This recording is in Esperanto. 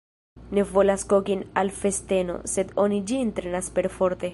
Ne volas kokin' al festeno, sed oni ĝin trenas perforte.